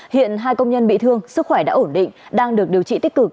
hiện hai công nhân bị thương sức khỏe đã ổn định đang được điều trị tích cực